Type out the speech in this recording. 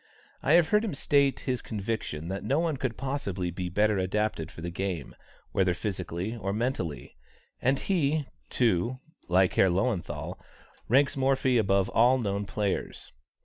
I have heard him state his conviction that no one could possibly be better adapted for the game, whether physically or mentally; and he, too, like Herr Löwenthal, ranks Morphy above all known players.